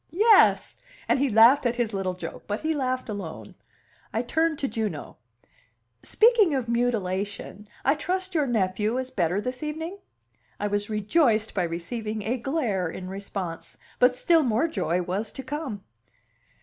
Yes!" and he laughed at his little joke, but he laughed alone. I turned to Juno. "Speaking of mutilation, I trust your nephew is better this evening." I was rejoiced by receiving a glare in response. But still more joy was to come.